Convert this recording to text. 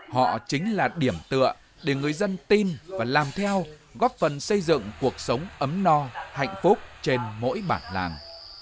họ chính là điểm tựa để người dân tin và làm theo góp phần xây dựng cuộc sống ấm no hạnh phúc trên mỗi bản làng